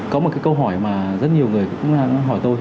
có một cái câu hỏi mà rất nhiều người cũng hỏi tôi